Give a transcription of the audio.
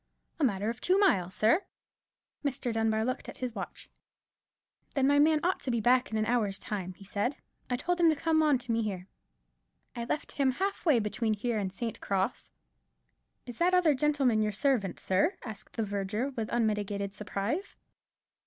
"A matter of two mile, sir." Mr. Dunbar looked at his watch. "Then my man ought to be back in an hour's time," he said; "I told him to come on to me here. I left him half way between here and St. Cross." "Is that other gentleman your servant, sir?" asked the verger, with unmitigated surprise.